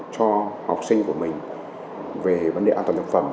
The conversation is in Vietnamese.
cho học sinh của mình về vấn đề an toàn thực phẩm